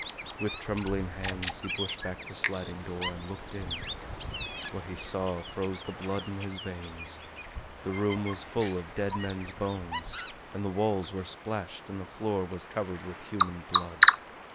With trembling hands he pushed back the sliding door and looked in. What he saw froze the blood in his veins. The room was full of dead men's bones and the walls were splashed and the floor was covered with human blood.